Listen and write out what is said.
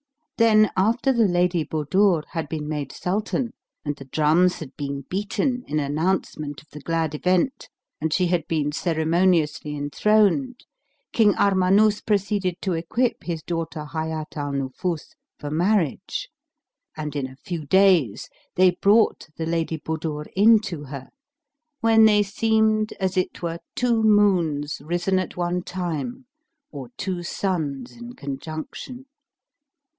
Then, after the Lady Budur had been made Sultan and the drums had been beaten in announcement of the glad event, and she had been ceremoniously enthroned, King Armanus proceeded to equip his daughter Hayat al Nufus for marriage, and in a few days, they brought the Lady Budur in to her, when they seemed as it were two moons risen at one time or two suns in conjunction.